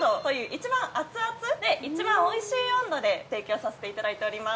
一番アツアツで一番おいしい温度で提供させていただいております